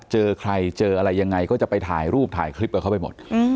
เจอใครเจออะไรยังไงก็จะไปถ่ายรูปถ่ายคลิปกับเขาไปหมด